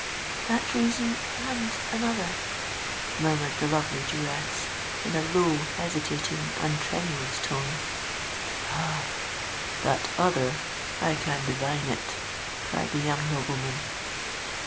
"That reason—and another," murmured the lovely Jewess, in a low—hesitating—and tremulous tone. "Ah! that other—I can divine it!" cried the young nobleman.